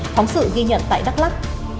phóng sự ghi nhận tại đắk lắk